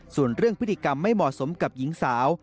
ส่วนเรื่องพฤติกรรมไม่เหมาะสมกับหญิงสาว